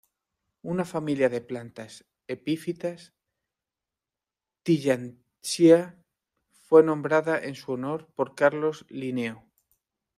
Una familia de plantas epífitas, "Tillandsia", fue nombrada en su honor por Carlos Linneo.